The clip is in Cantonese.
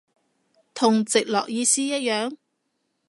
同直落意思一樣？